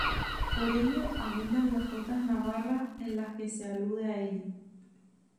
Por ello, abundan las jotas navarras en las que se alude a ella.